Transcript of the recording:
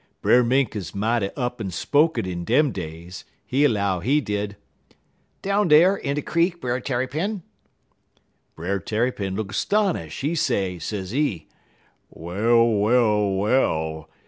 "Brer Mink 'uz mighty up en spoken in dem days. He 'low, he did: "'Down dar in de creek, Brer Tarrypin.' "Brer Tarrypin look 'stonish'. He say, sezee: "'Well, well, well!